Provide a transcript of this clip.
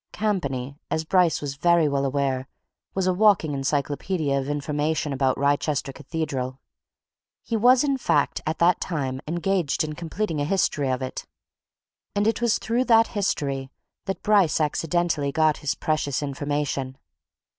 Campany, as Bryce was very well aware, was a walking encyclopaedia of information about Wrychester Cathedral: he was, in fact, at that time, engaged in completing a history of it. And it was through that history that Bryce accidentally got his precious information.